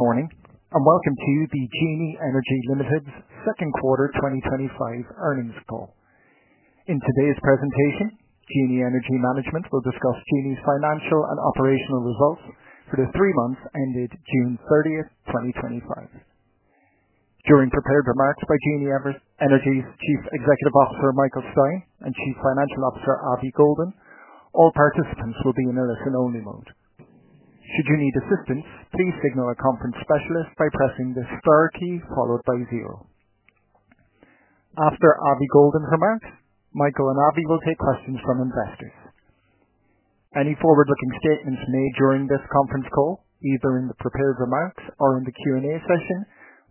Morning and welcome to the Genie Energy Ltd's Second Quarter 2025 Earnings Call. In today's presentation, Genie Energy management will discuss Genie's financial and operational results for the three months ended June 30th, 2025. During prepared remarks by Genie Energy's Chief Executive Officer Michael Stein and Chief Financial Officer Avi Goldin, all participants will be in a listen-only mode. If you do need assistance, please signal a conference specialist by pressing the star key followed by zero. After Avi Goldin's remarks, Michael and Avi will take questions from investors. Any forward-looking statements made during this conference call, either in the prepared remarks or in the Q&A session,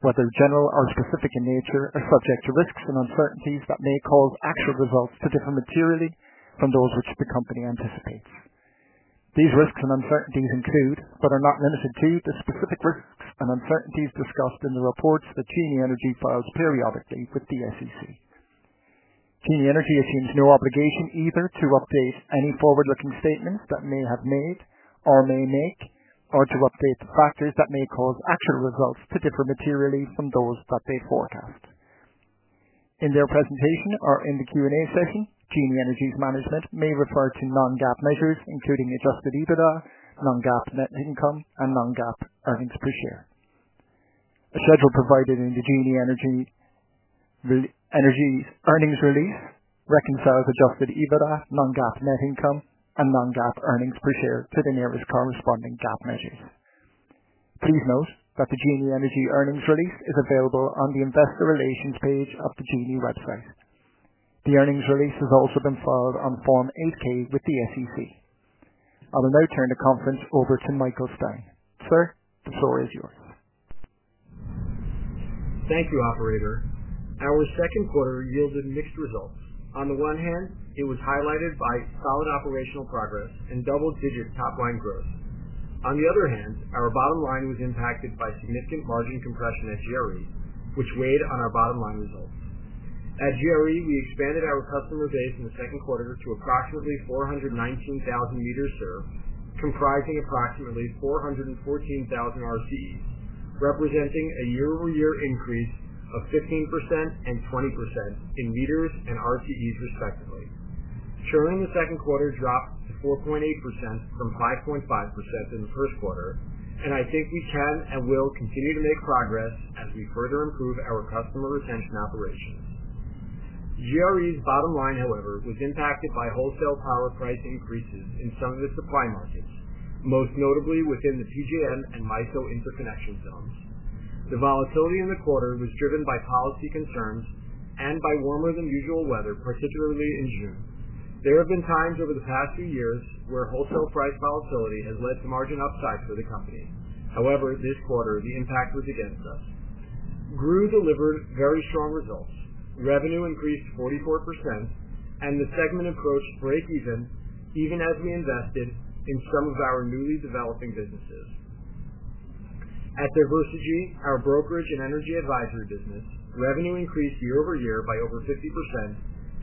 whether general or specific in nature, are subject to risks and uncertainties that may cause actual results to differ materially from those which the company anticipates. These risks and uncertainties include, but are not limited to, the specific risks and uncertainties discussed in the reports that Genie Energy files periodically with the SEC. Genie Energy assumes no obligation either to update any forward-looking statements that may have been made or may make, or to update the factors that may cause actual results to differ materially from those that they forecast. In their presentation or in the Q&A session, Genie Energy's management may refer to non-GAAP measures, including adjusted EBITDA, non-GAAP net income, and non-GAAP earnings per share. A schedule provided in the Genie Energy's earnings release reconciles adjusted EBITDA, non-GAAP net income, and non-GAAP earnings per share to the nearest corresponding GAAP measures. Please note that the Genie Energy earnings release is available on the investor relations page of the Genie website. The earnings release has also been filed on Form 8-K with the SEC. I will now turn the conference over to Michael Stein. Sir, the floor is yours. Thank you, Operator. Our second quarter yielded mixed results. On the one hand, it was highlighted by solid operational progress and double-digit top-line growth. On the other hand, our bottom line was impacted by significant margin compression at GRE, which weighed on our bottom line results. At GRE, we expanded our customer base in the second quarter to approximately 419,000 meters served, comprising approximately 414,000 RCEs, representing a year-over-year increase of 15% and 20% in meters and RCEs, respectively. Churn in the second quarter dropped to 4.8% from 5.5% in the first quarter, and I think we can and will continue to make progress as we further improve our customer retention operations. GRE's bottom line, however, was impacted by wholesale power price increases in some of its supply markets, most notably within the PJM and MISO interconnection zones. The volatility in the quarter was driven by policy concerns and by warmer-than-usual weather, particularly in June. There have been times over the past few years where wholesale price volatility has led to margin upsides for the company. However, this quarter, the impact was identical. GREW delivered very strong results. Revenue increased 44%, and the segment approached pre-season even as we invested in some of our newly developing businesses. At Diversegy, our brokerage and energy advisory business, revenue increased year-over-year by over 50%,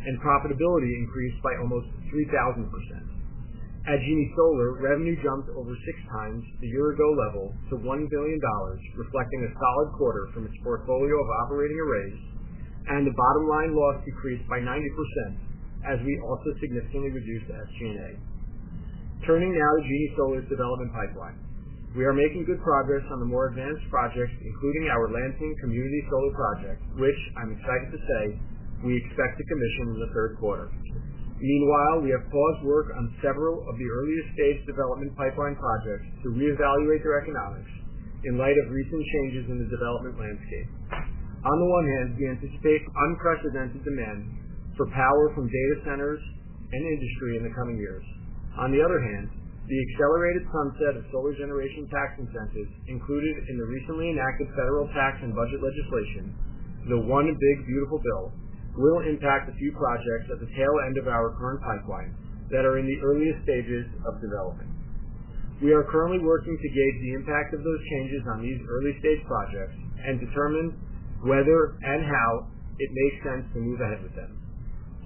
and profitability increased by almost 3,000%. At Genie Solar, revenue jumped over 6x the year-ago level to $1 million, reflecting a solid quarter from its portfolio of operating arrays, and the bottom line loss decreased by 90% as we also significantly reduced SG&A. Turning now to Genie Solar's development pipeline, we are making good progress on the more advanced projects, including our Lansing Community Solar Project, which I'm excited to say we expect to commission in the third quarter. Meanwhile, we have paused work on several of the earlier-stage development pipeline projects to reevaluate their economics in light of recent changes in the development landscape. On the one hand, we anticipate unprecedented demand for power from data centers and industry in the coming years. On the other hand, the accelerated sunset of solar generation tax incentives, included in the recently enacted federal tax and budget legislation, the One Big Beautiful Bill, will impact a few projects at the tail end of our current pipeline that are in the earliest stages of development. We are currently working to gauge the impact of those changes on these early-stage projects and determine whether and how it makes sense to move ahead with them.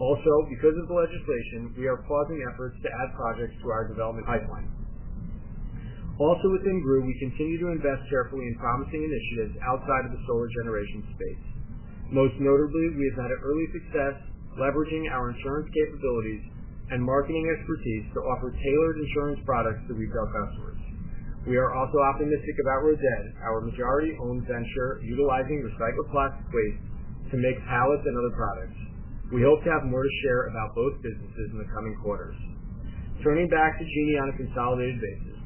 Also, because of the legislation, we are pausing efforts to add projects to our development pipeline. Also within GREW, we continue to invest carefully in promising initiatives outside of the solar generation space. Most notably, we have had early success leveraging our insurance capabilities and marketing expertise to offer tailored insurance products to rebuilt customers. We are also optimistic about Rosette, our majority-owned venture, utilizing recycled plastic waste to make pallets and other products. We hope to have more to share about both businesses in the coming quarters. Turning back to Genie Energy on a consolidated basis,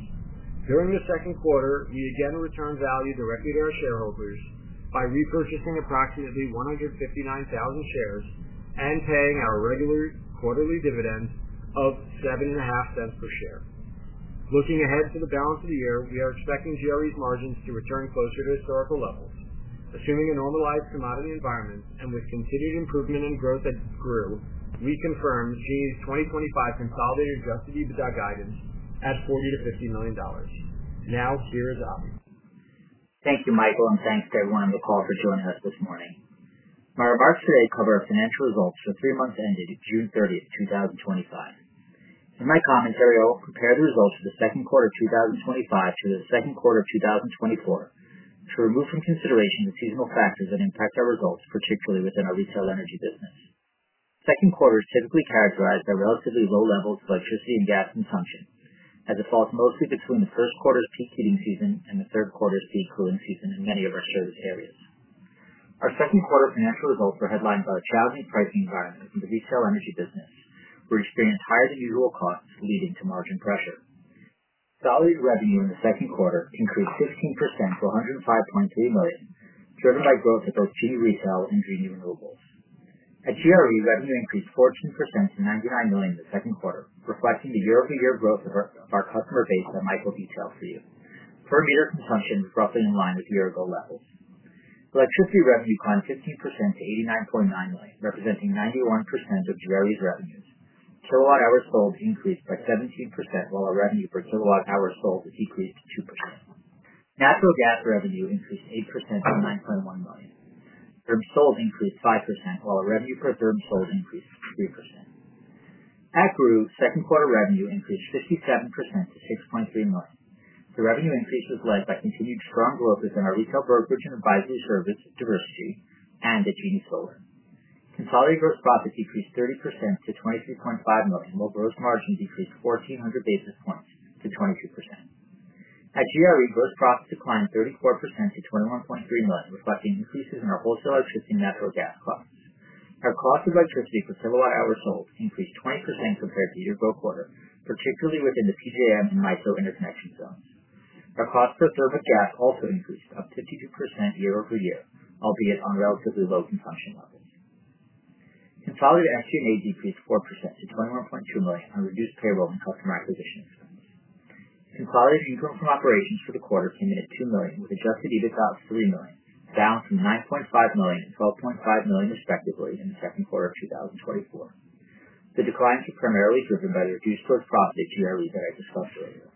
during the second quarter, we again returned value directly to our shareholders by repurchasing approximately 159,000 shares and paying our regular quarterly dividends of $0.075 per share. Looking ahead to the balance of the year, we are expecting GRE's margins to return closer to historical levels. Assuming a normalized commodity environment and with continued improvement in growth at GREW, we confirm Genie's 2025 consolidated adjusted EBITDA guidance at $40 million-$50 million. Now, the floor is Avi's. Thank you, Michael, and thanks to everyone on the call for joining us this morning. Our remarks today cover our financial results for the three months ended June 30th, 2025. In my commentary, I will compare the results of the second quarter of 2025 to the second quarter of 2024 to remove from consideration the seasonal factors that impact our results, particularly within our retail energy business. The second quarter is typically characterized by relatively low levels of electricity and gas consumption and defaults mostly between the first quarter's heating season and the third quarter's cooling season in many of our service areas. Our second quarter financial results were headlined by a challenging pricing environment in the retail energy business, where we experienced higher than usual costs leading to margin pressure. Solid revenue in the second quarter increased 15% to $105.3 million, driven by growth at both Genie Retail and Genie Renewables. At GRE, revenue increased 14% to $99 million in the second quarter, reflecting the year-over-year growth of our customer base at Michaels retail for year-over-year consumption roughly in line with the year-ago level. Electricity revenue climbed 15% to $89.9 million, representing 91% of GRE's revenue. Solar hours sold increased by 17%, while our revenue per kilowatt hour sold decreased 2%. Natural gas revenue increased 8% to $9.1 million. Therms sold increased 5%, while our revenue per therm sold increased 3%. At GREW, second quarter revenue increased 57% to $6.3 million. The revenue increase was led by continued strong growth within our retail brokerage and advisory service at Diversegy and at Genie Solar. Consolidated gross profits decreased 30% to $23.5 million, while gross margin decreased 1,400 basis points to 22%. At GRE, gross profits declined 34% to $21.3 million, reflecting increases in the wholesale existing natural gas costs. Our cost of electricity per kilowatt hour sold increased 20% compared to the year-ago quarter, particularly within the PJM and MISO interconnection zones. Our cost per therm of gas also increased, up 52% year-over-year, albeit on a relatively low consumption level. Consolidated SG&A decreased 4% to $21.2 million on reduced payroll and customer acquisition expenses. Consolidated operating income for the quarter pinned at $2 million, with adjusted EBITDA of $3 million, down from $9.5 million and $12.5 million respectively in the second quarter of 2024. The decline is primarily driven by reduced gross profit at GRE's variable cost ratio.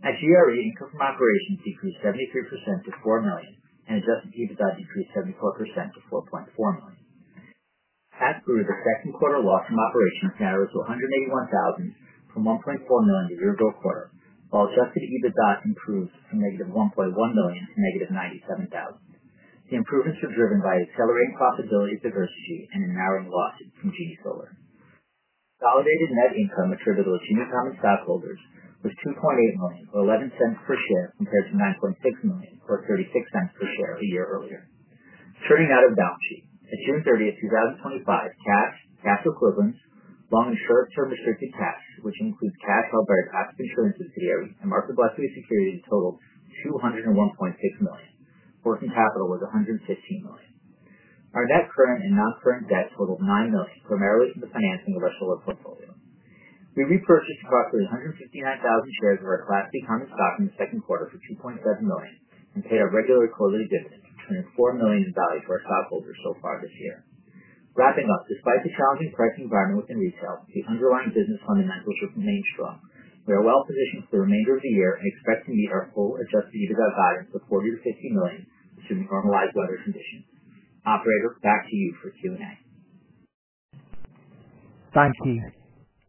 At GRE, income from operations decreased 73% to $4 million and adjusted EBITDA decreased 74% to $4.4 million. At GREW, the second quarter loss from operations now is $181,000 from $1.4 million the year-ago quarter, while adjusted EBITDA has improved from -$1.1 million to -$97,000. The improvements are driven by accelerating profitability at Diversegy and the narrowing of losses from Genie Solar. Consolidated net income attributed to the Genie Energy stockholders was $2.8 million or $0.11 per share compared to $9.6 million or $0.36 per share a year earlier. Turning now to the balance sheet. At June 30th, 2025, cash, cash equivalents, loans, and total firm-assisted tax, which includes cash held by our tax incurrences at GRE and market volatility securities, totaled $201.6 million. Working capital was $115 million. Our net current and non-current debt totaled $9 million, primarily from the financing of our solar portfolio. We repurchased approximately 159,000 shares of our Class D common stock in the second quarter for $2.7 million and paid our regular equivalent dividend, and $4 million in value for our stockholders so far this year. Wrapping up, despite the challenging pricing environment within retail, the underlying business fundamentals have been hanging strong. We are well positioned for the remainder of the year and expect to meet our full adjusted EBITDA guidance of $40 million-$50 million should normalized weather conditions. Operator, back to you for Q&A. Thank you.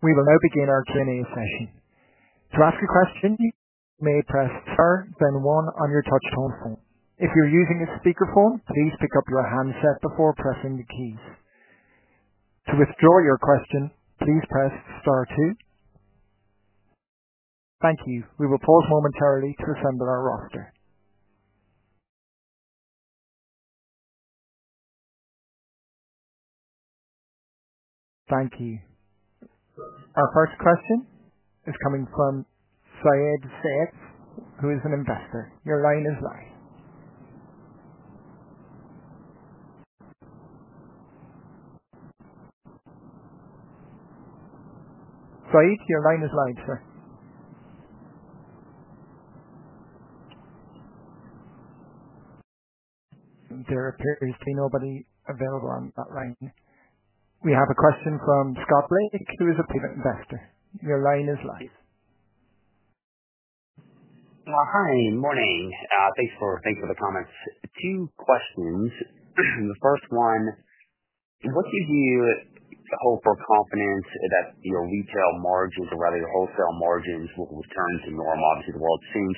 We will now begin our Q&A session. To ask a question, you may press star, then one on your touchphone screen. If you're using a speakerphone, please pick up your handset before pressing the keys. To withdraw your question, please press star two. Thank you. We will pause momentarily to reassemble our roster. Thank you. Our first question is coming from Saeed Saeed, who is an investor. Your line is live. Saeed, your line is live, sir. It seems there appears to be nobody available on that line. We have a question from Scott Briggs, who is a private investor. Your line is live. Hi. Morning. Thanks for the comments. Two questions. The first one, what do you hope for confidence that your retail margins or rather your wholesale margins will return to normal? Obviously, the world's seen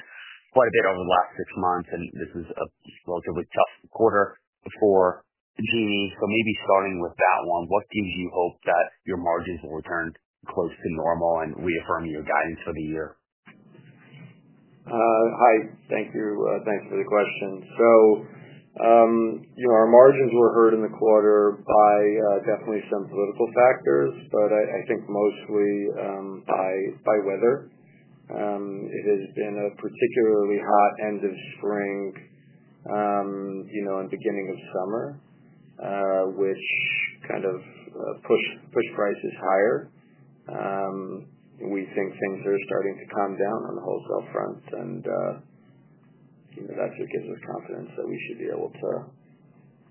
quite a bit over the last six months, and this was a relatively tough quarter for Genie. Maybe starting with that one, what do you hope that your margins will return close to normal and reaffirm your guidance for the year? Hi. Thank you. Thanks for the question. Our margins were hurt in the quarter by definitely some political factors, but I think mostly by weather. It has been a particularly hot end of spring and beginning of summer, which kind of put prices higher. We think things are starting to calm down on the wholesale fronts, and that's a good confidence that we should be able to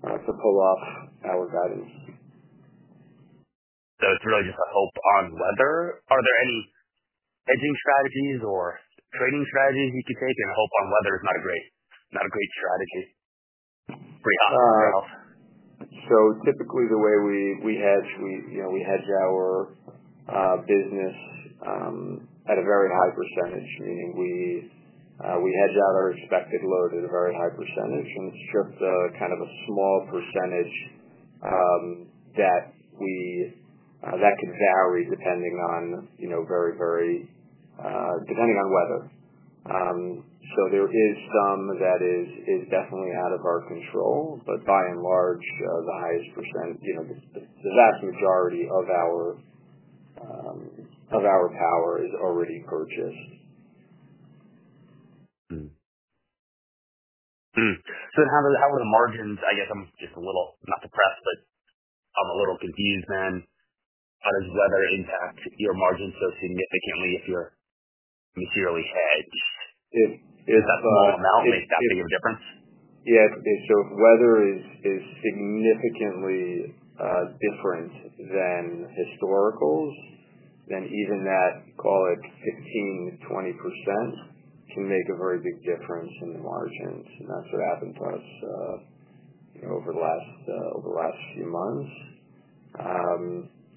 pull off our values. It is really just a hope on weather. Are there any hedging strategies or trading strategies you could take in the hope on weather? It is not a great, not a great strategy, pretty high. Typically, the way we hedge, we hedge our business at a very high percentage, meaning we hedge out our expected load at a very high percentage. Strips are kind of a small percentage that could vary depending on, you know, very, very depending on weather. There is some that is definitely out of our control, but by and large, the highest percentage, you know, the vast majority of our power is already purchased. How would the margins, I guess I'm just a little, not depressed, but I'm a little confused, then. How does weather impact your margins so significantly if you're purely hedged? Does that small amount make that big of a difference? Yeah. Weather is significantly different than historical. Even that, call it 15%-20%, can make a very big difference in the margins. That's what happened to us over the last few months.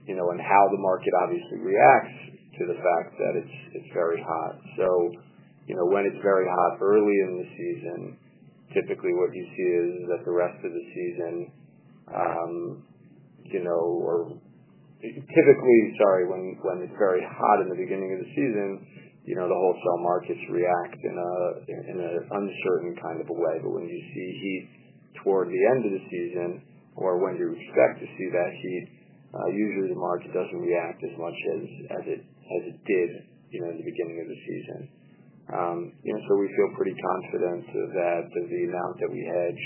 You know, how the market obviously reacts to the fact that it's very hot. When it's very hot early in the season, typically what you see is that the rest of the season, or typically, sorry, when it's very hot in the beginning of the season, the wholesale markets react in an uncertain kind of a way. When you see heat toward the end of the season or when you expect to see that heat, usually the market doesn't react as much as it did in the beginning of the season. We feel pretty confident that the amount that we hedge,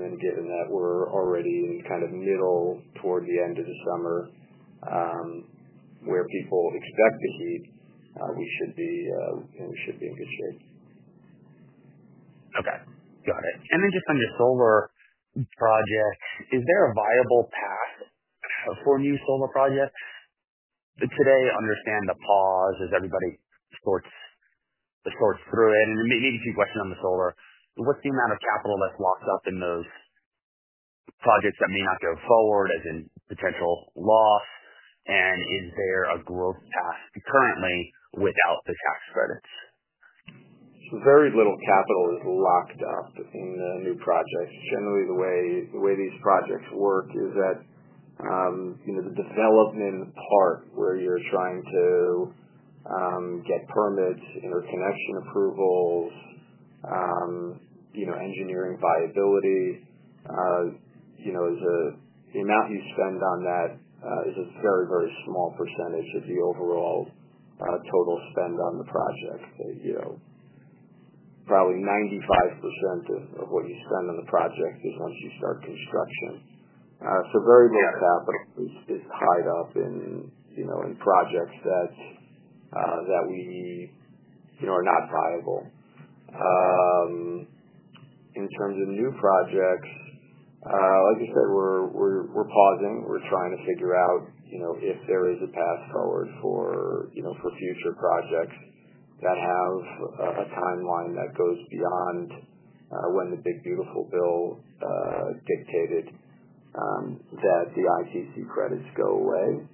and given that we're already kind of middle toward the end of the summer where people expect the heat, we should be in good shape. Okay. Got it. On your solar projects, is there a viable path for new solar projects? Could I understand the pause as everybody sorts through it? Maybe a few questions on the solar. What's the amount of capital that's locked up in those projects that may not go forward as in potential loss? Is there a growth path currently without the tax credits? Very little capital is locked up in all new projects. Generally, the way these projects work is that the development part, where you're trying to get permits and interconnection approvals, engineering viability, is the amount you spend on that, is a very, very small percentage of the overall total spend on the project. Probably 95% of what you spend on the project is on construction. Very little capital is tied up in projects that are not viable. In terms of new projects, like I said, we're pausing. We're trying to figure out if there is a path forward for future projects that have a timeline that goes beyond when the One Big Beautiful Bill dictated that the ITC credits go away.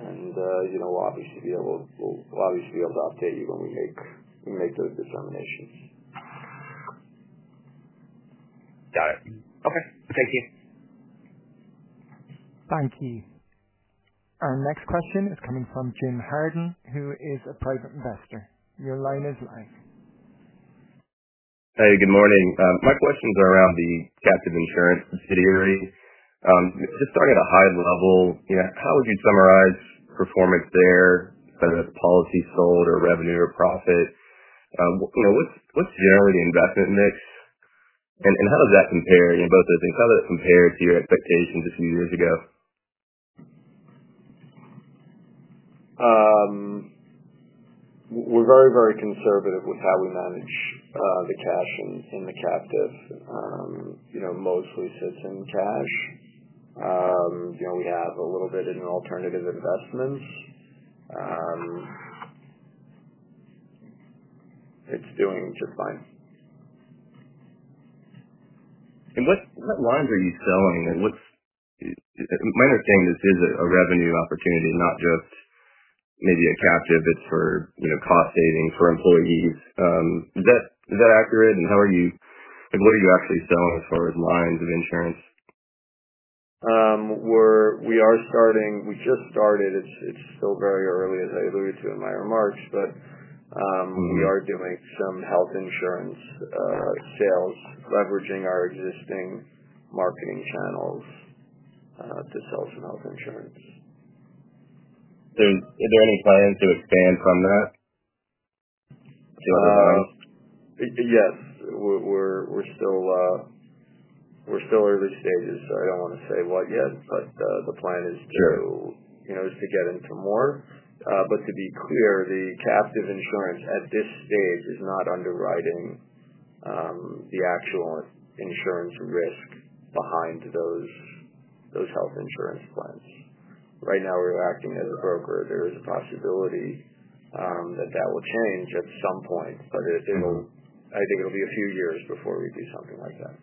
We'll obviously be able to update you when we make those determinations. Got it. Okay, thank you. Thank you. Our next question is coming from Jim Hardin, who is a private investor. Your line is live. Hey, good morning. My questions are around the captive insurance subsidiary. Just starting at a high level, how would you summarize performance there? Are there policies sold or revenue or profit? You know, what's generally the investment mix? How does that compare in both those things? How does it compare to your expectations a few years ago? We're very, very conservative with how we manage the cash and the captive. Mostly system cash. You know, we have a little bit in alternative investments. It's doing just fine. What lines are you selling? My understanding is this is a revenue opportunity, not just maybe a captive. It's for, you know, cost savings for employees. Is that accurate? What are you actually selling as far as lines of insurance? We are starting. We just started. It's still very early, as I alluded to in my remarks. We are doing some health insurance sales, leveraging our existing marketing channels to sell some health insurance. Are there any plans to expand from that? Yes. We're still early stages, so I don't want to say what yet, but the plan is to get into more. To be clear, the captive insurance at this stage is not underwriting the actual insurance risk behind those health insurance plans. Right now, we're acting as a broker. There is a possibility that that would change at some point, but I think it'll be a few years before we do something like that.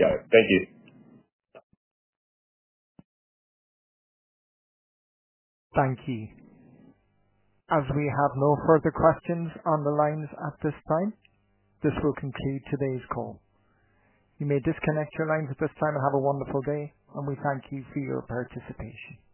Got it. Thank you. Thank you. As we have no further questions on the lines at this time, this will conclude today's call. You may disconnect your lines at this time and have a wonderful day. We thank you for your participation.